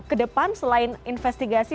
kedepan selain investigasi